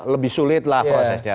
lebih sulit lah prosesnya